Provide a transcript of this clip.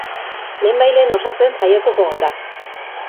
Lehenbailehen osatzen saiatuko gara.